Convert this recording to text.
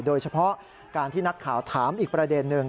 โดยเฉพาะการที่นักข่าวถามอีกประเด็นหนึ่ง